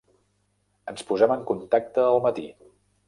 En posem en contacte al matí.